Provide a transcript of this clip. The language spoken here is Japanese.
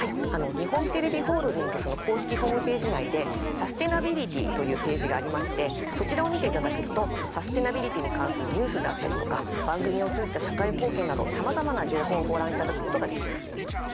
日本テレビホールディングスの公式ホームページ内で「サステナビリティ」というページがありましてそちらを見ていただけるとサステナビリティに関するニュースだったりとか番組を通じた社会貢献などさまざまな情報をご覧いただくことができます。